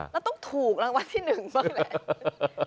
เราต้องถูกรางวัลที่หนึ่งมากแหละ